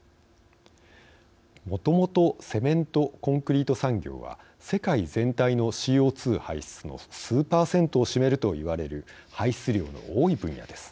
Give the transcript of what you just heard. もともとセメント・コンクリート産業は世界全体のＣＯ２排出の数％を占めるといわれる排出量の多い分野です。